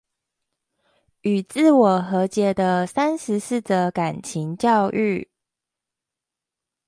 與自我和解的三十四則情感教育